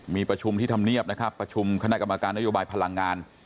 มีประชุมที่ธรรมเนียบนะครับประชุมคณะกรรมการนโยบายพลังงาน